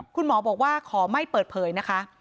คุณหมอบอกว่าขอไม่เปิดเผยนะคะ